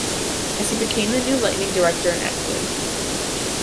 As he became the new lightning director and acted.